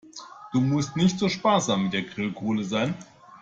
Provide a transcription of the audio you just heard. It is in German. Du musst nicht so sparsam mit der Grillkohle sein.